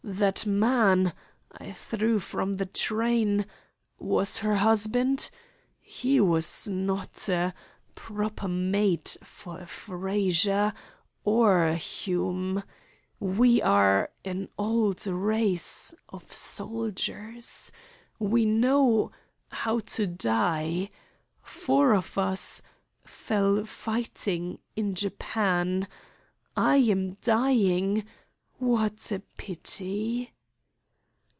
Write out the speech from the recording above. That man I threw from the train was her husband? He was not a proper mate for a Frazer or a Hume. We are an old race of soldiers. We know how to die. Four of us fell fighting in Japan. I am dying! What a pity!"